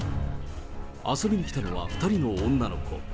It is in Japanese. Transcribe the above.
遊びに来たのは２人の女の子。